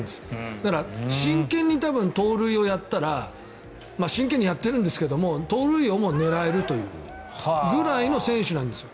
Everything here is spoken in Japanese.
だから、真剣に多分、盗塁をやったら真剣にやってるんですけど盗塁王も狙えるというぐらいの選手なんです。